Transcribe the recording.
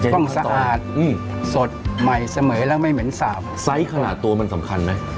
ป้องสะอาดสดไหมสม่ำและไม่เหม็นสาวไซส์ขนาดตัวมันสำคัญไหม